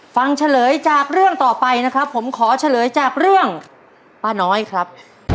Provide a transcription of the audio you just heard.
เฉลยจากเรื่องต่อไปนะครับผมขอเฉลยจากเรื่องป้าน้อยครับ